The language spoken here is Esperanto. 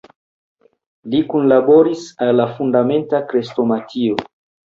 Li kunlaboris al la "Fundamenta Krestomatio.